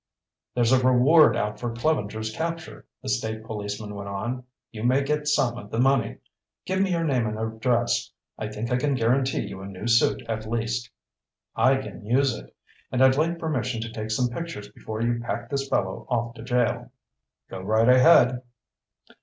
"There's a reward out for Clevenger's capture," the state policeman went on. "You may get some of the money. Give me your name and address. I think I can guarantee you a new suit at least." "I can use it. And I'd like permission to take some pictures before you pack this fellow off to jail." "Go right ahead."